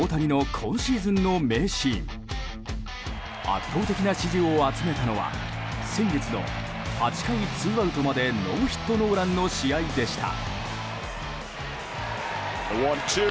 圧倒的な支持を集めたのは先月の、８回ツーアウトまでノーヒットノーランの試合でした。